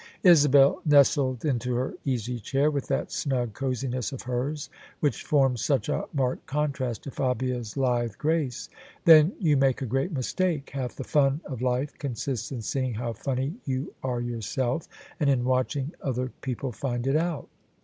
Isabel nestled into her easy chair with that snug cosiness of hers which formed such a marked contrast to Fabia's lithe grace. " Then you make a great mistake. Half the fun of life consists in seeing how funny you are yourself, and in watching other people find it out."